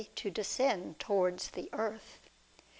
51 to descend towards the earth.